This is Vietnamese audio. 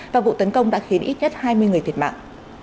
và vụ tấn công đã khiến ít nhất hai mươi người thiệt mạng